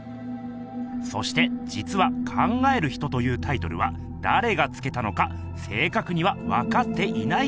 そしてじつは「考える人」というタイトルはだれがつけたのか正かくにはわかっていないともいわれています。